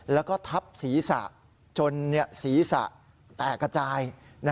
แล้วก็ทับศีรษะจนศีรษะแตกกระจาย